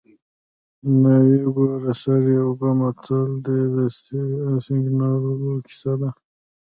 ناوې ګوره سر یې اوبه متل د سینګارولو کیسه ده